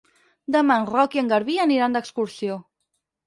Demà en Roc i en Garbí aniran d'excursió.